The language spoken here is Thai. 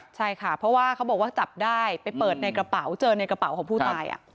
ใช่ค่ะเพราะว่าเขาบอกว่าจับได้ไปเปิดในกระเป๋าเจอในกระเป๋าของผู้ตาย